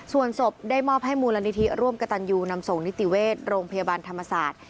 ส่วนศพได้มอบให้มูลนิธิร่วมกระตันยูนำส่งนิติเวชโรงพยาบาลธรรมศาสตร์